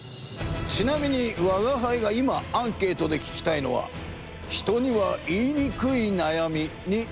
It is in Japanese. ちなみにわがはいが今アンケ―トで聞きたいのは人には言いにくいなやみについてだ。